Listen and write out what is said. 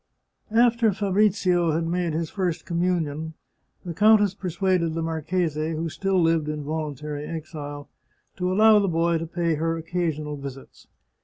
After Fabrizio had made his first communion, the countess persuaded the marchese, who still lived in volun II The Chartreuse of Parma tary exile, to allow the boy to pay her occasional visits.